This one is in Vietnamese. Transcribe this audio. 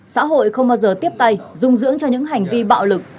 xã hội không bao giờ tiếp tay dung dưỡng cho những hành vi bạo lực